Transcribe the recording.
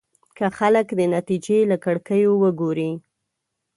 که خلک د نتيجې له کړکيو وګوري.